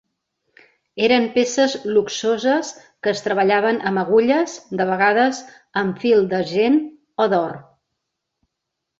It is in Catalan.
Eren peces luxoses que es treballaven amb agulles, de vegades amb fil d'argent o d'or.